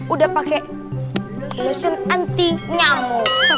udah pake lusen anti nyamuk